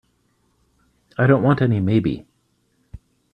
I don't want any maybe.